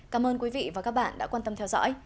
cảm ơn quý vị và các bạn đã quan tâm theo dõi